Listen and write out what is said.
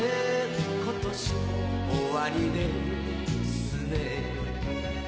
今年も終りですね